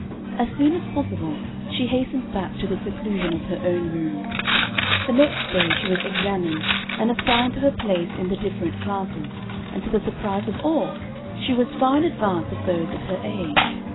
As soon as possible, she hastened back to the seclusion of her own room. The next day she was examined, and assigned to her place in the different classes, and to the surprise of all, she was far in advance of those of her age.